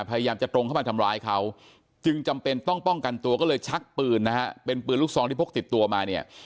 พยายามจะตรงเข้ามาทำร้ายเขาจึงจำเป็นต้องป้องกันตัวก็เลยชักปืนนะฮะเป็นปืนลูกซองที่พกติดตัวมาเนี่ย